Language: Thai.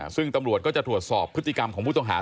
ซึ่งตำรวจก็จะตรวจสอบพฤติกรรมของผู้ต้องหา